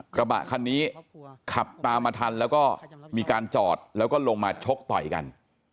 กระบะคันนี้ขับตามมาทันแล้วก็มีการจอดแล้วก็ลงมาชกต่อยกัน